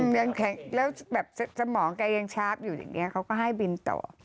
ยังแข็งแล้วแบบสมองแกยังชาร์ฟอยู่อย่างนี้เขาก็ให้บินต่อ